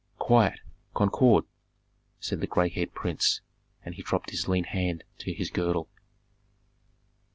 "Quiet! Concord!" said the gray headed prince; and he dropped his lean hand to his girdle.